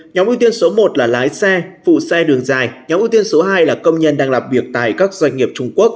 nhóm ưu tiên số một là lái xe phụ xe đường dài nhóm ưu tiên số hai là công nhân đang làm việc tại các doanh nghiệp trung quốc